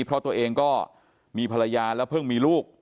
เพราะตัวเองก็มีภรรยาแล้วเพิ่งมีลูก